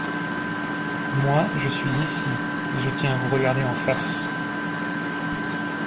Moi, je suis ici, et je tiens à vous regarder en face.